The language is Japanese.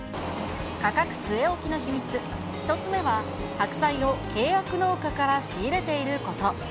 価格据え置きの秘密、１つ目は、白菜を契約農家から仕入れていること。